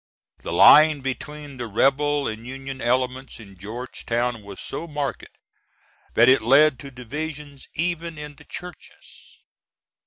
The line between the Rebel and Union element in Georgetown was so marked that it led to divisions even in the churches.